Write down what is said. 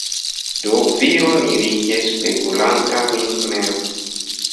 Do viro mirige spegulanta min mem.